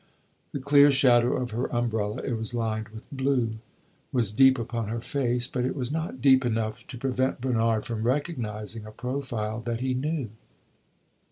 The clear shadow of her umbrella it was lined with blue was deep upon her face; but it was not deep enough to prevent Bernard from recognizing a profile that he knew.